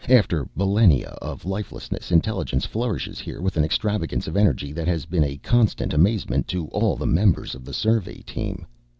After millennia of lifelessness, intelligence flourishes here with an extravagance of energy that has been a constant amazement to all the members of the survey team.